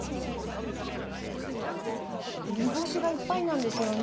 煮干しがいっぱいなんですよね。